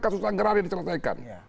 kasus anggaran yang diselesaikan